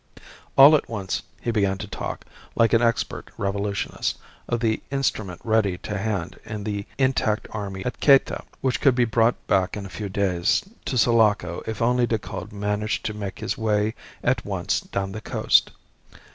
All at once he began to talk, like an expert revolutionist, of the instrument ready to hand in the intact army at Cayta, which could be brought back in a few days to Sulaco if only Decoud managed to make his way at once down the coast.